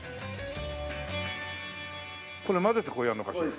これ混ぜてこうやるのかしら。